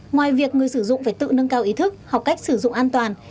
ngoài việc người sử dụng phải tự nâng cao ý thức học cách sử dụng an toàn